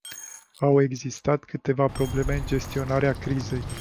Au existat câteva probleme în gestionarea crizei.